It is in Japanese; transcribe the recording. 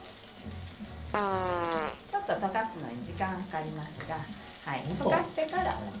ちょっと溶かすのに時間がかかりますが溶かしてから。